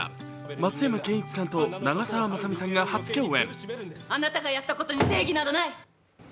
松山ケンイチさんと長澤まさみさんが初共演。